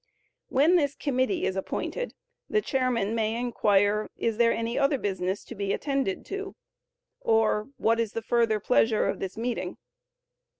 When this committee is appointed, the chairman may inquire, "Is there any other business to be attended to?" or, "What is the further pleasure of the meeting?"